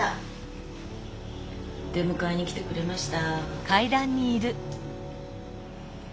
出迎えに来てくれました。